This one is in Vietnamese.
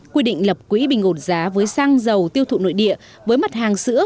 quy định lập quỹ bình ổn giá với xăng dầu tiêu thụ nội địa với mặt hàng sữa